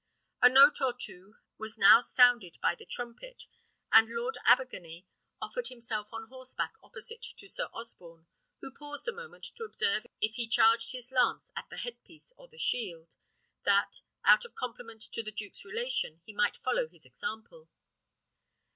A note or two was now sounded by the trumpet, and Lord Abergany offered himself on horseback opposite to Sir Osborne, who paused a moment to observe if he charged his lance at the head piece or the shield, that, out of compliment to the duke's relation, he might follow his example.